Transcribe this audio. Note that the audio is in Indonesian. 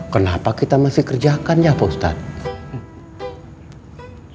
kenapa kita masih kerjakan ya pak ustadz